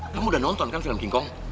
kamu udah nonton kan film kingkong